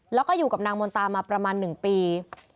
แล้วก็อยู่กับนางมนตามาประมาณ๑ปี